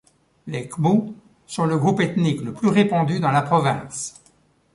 Les Khmu sont le groupe ethnique le plus répandu dans la province.